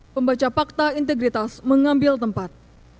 pembaca pakta integritas mengambil tempat